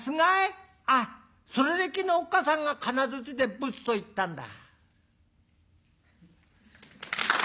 あっそれで昨日おっかさんが金槌でぶつと言ったんだ」。